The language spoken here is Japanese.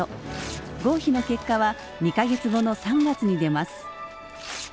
合否の結果は２か月後の３月に出ます。